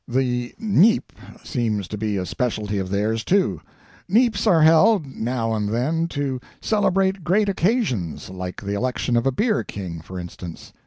The "KNEIP" seems to be a specialty of theirs, too. Kneips are held, now and then, to celebrate great occasions, like the election of a beer king, for instance.